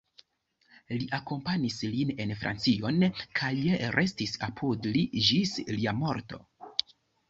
Li akompanis lin en Francion kaj restis apud li ĝis lia morto.